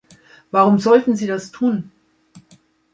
Warum sollten sie das tun?